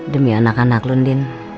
demi anak anak lu ndin